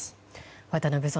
渡辺さん